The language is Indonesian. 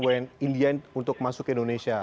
wni indian untuk masuk ke indonesia